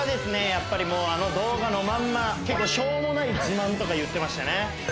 やっぱりもうあの結構しょうもない自慢とか言ってましたね